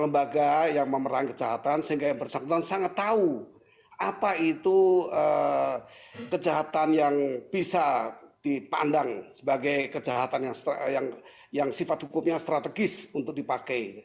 lembaga yang memerang kejahatan sehingga yang bersangkutan sangat tahu apa itu kejahatan yang bisa dipandang sebagai kejahatan yang sifat hukumnya strategis untuk dipakai